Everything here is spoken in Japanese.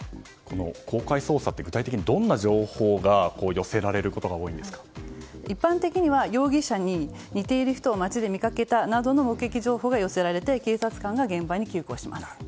公開捜査って具体的にどんな情報が寄せられることが一般的には容疑者に似ている人を街で見かけたなどの目撃情報が寄せられて警察官が現場に急行します。